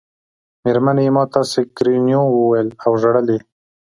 مېرمنې یې ما ته سېګنورینو وویل او ژړل یې.